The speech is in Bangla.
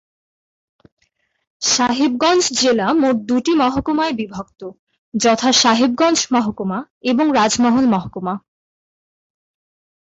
সাহেবগঞ্জ জেলা মোট দুটি মহকুমায় বিভক্ত যথাঃ সাহেবগঞ্জ মহকুমা এবং রাজমহল মহকুমা।